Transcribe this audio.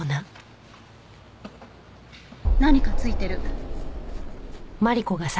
何かついてる。